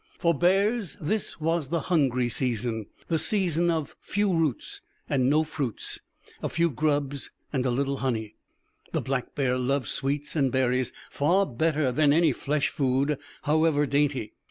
For bears this was the hungry season, the season of few roots and no fruits, few grubs and little honey. The black bear loves sweets and berries far better than any flesh food, however dainty.